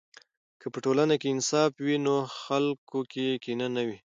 که په ټولنه کې انصاف وي، نو خلکو کې کینه نه وي.